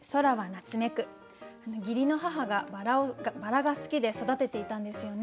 義理の母がバラが好きで育てていたんですよね。